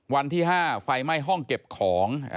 วันที่๕ไฟไหม้ห้องเก็บของ